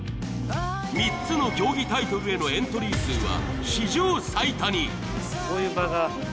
３つの競技タイトルへのエントリー数は。